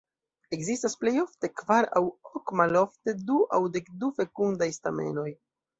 Ekzistas plej ofte kvar aŭ ok, malofte du aŭ dekdu fekundaj stamenoj.